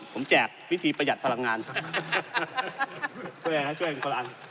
ผมแจกวิธีประหยัดพลังงานช่วยเหลือมอเตอร์ไซ